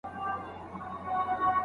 خلک په انګړ کې ناست دي.